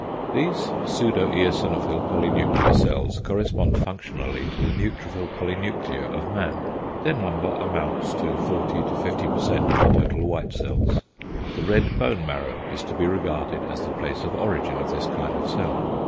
=These pseudoeosinophil, polynuclear cells, correspond functionally to the neutrophil polynuclear of man=; their number amounts to 40 50% of the total white cells. The red bone marrow is to be regarded as the place of origin of this kind of cell.